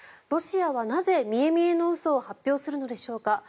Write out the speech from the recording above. ロシアはなぜ、見え見えの嘘を発表するのでしょうか。